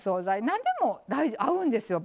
何でも合うんですよ